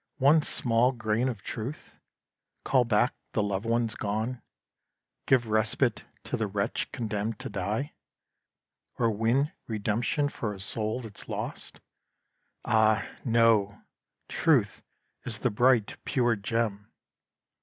one small grain Of Truth? Call back the loved ones gone? Give respite to the wretch condemned to die? Or win redemption for a soul that's lost? Ah, no! Truth is the bright, pure gem!